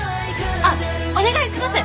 あっお願いします。